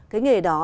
cái nghề đó